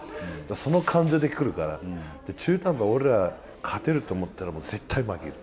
その感情で来るから俺ら勝てると思ったら絶対負ける。